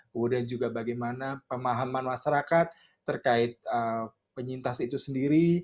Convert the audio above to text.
kemudian juga bagaimana pemahaman masyarakat terkait penyintas itu sendiri